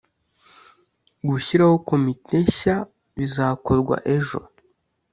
gushyiraho komite shya bizakorwa ejo